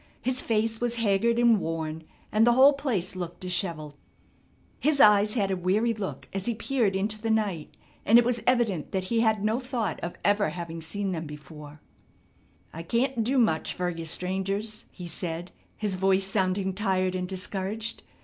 His face was haggard and worn, and the whole place looked dishevelled. His eyes had a weary look as he peered into the night and it was evident that he had no thought of ever having seen them before: "I can't do much fer ya, strangers," he said, his voice sounding tired and discouraged.